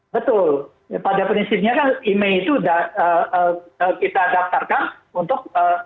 betul pada prinsipnya kan email itu kita daftarkan untuk